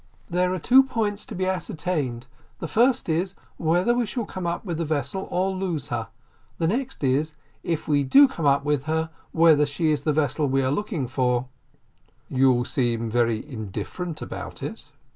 "There are two points to be ascertained; the first is, whether we shall come up with the vessel or lose her the next is, if we do come up with her, whether she is the vessel we are looking for." "You seem very indifferent about it."